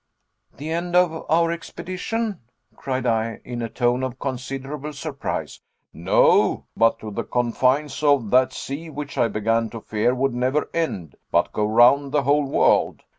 "The end of our expedition?" cried I, in a tone of considerable surprise. "No; but to the confines of that sea which I began to fear would never end, but go round the whole world.